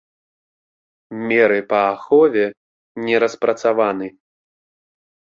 Меры па ахове не распрацаваны.